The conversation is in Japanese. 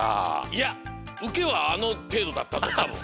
いやうけはあのていどだったぞたぶん。